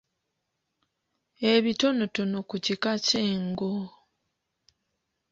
Ebitonotono ku kika ky'engo.